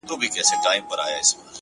دلته اوسم!